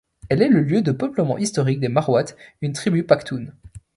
Elle est le lieu de peuplement historique des Marwats, une tribu pachtoune.